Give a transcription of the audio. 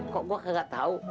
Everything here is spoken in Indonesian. kok gua kagak tahu